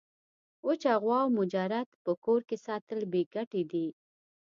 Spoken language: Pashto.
وچه غوا او مجرد په کور کي ساتل بې ګټي دي.